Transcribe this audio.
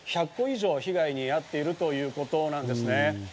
１００戸以上、被害に遭っているということなんですね。